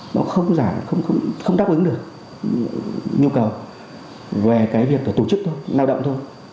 nó không đáp ứng được nhu cầu về cái việc là tổ chức thôi lao động thôi